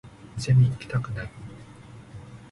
ゼミ行きたくない